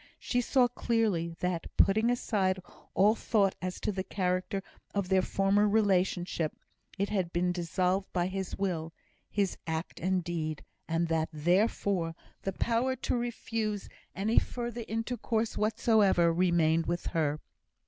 She saw clearly, that, putting aside all thought as to the character of their former relationship, it had been dissolved by his will his act and deed; and that, therefore, the power to refuse any further intercourse whatsoever remained with her.